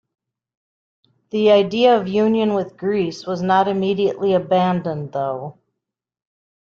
The idea of union with Greece was not immediately abandoned, though.